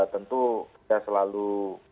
tentu kita selalu